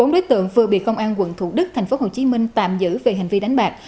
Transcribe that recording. bốn đối tượng vừa bị công an quận thủ đức tp hcm tạm giữ về hành vi đánh bạc